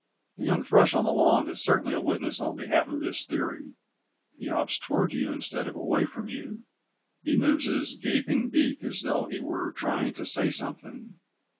The young thrush on the lawn is certainly a witness on behalf of this theory. He hops towards you instead of away from you. He moves his gaping beak as though he were trying to say something.